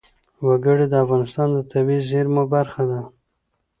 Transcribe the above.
وګړي د افغانستان د طبیعي زیرمو برخه ده.